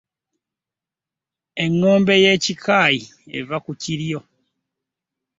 Engombe y'ekikayi eva ku kiryo .